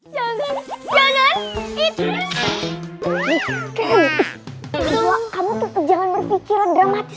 hai jangan jangan itu kamu tetap jangan berpikir dan mati